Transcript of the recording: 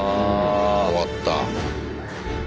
終わった。